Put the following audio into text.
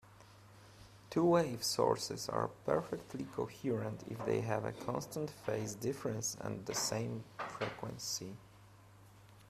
Two-wave sources are perfectly coherent if they have a constant phase difference and the same frequency.